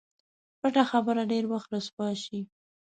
پټه خبره ډېر وخت رسوا شي.